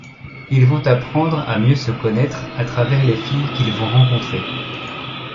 Ils vont apprendre à mieux se connaître à travers les filles qu'ils vont rencontrer.